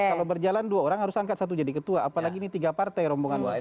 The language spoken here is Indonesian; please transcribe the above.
kalau berjalan dua orang harus angkat satu jadi ketua apalagi ini tiga partai rombongan lain